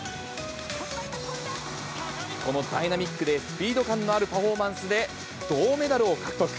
このダイナミックでスピード感のあるパフォーマンスで銅メダルを獲得。